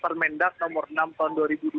permendak nomor enam tahun dua ribu dua puluh